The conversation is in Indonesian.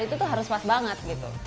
itu tuh harus pas banget gitu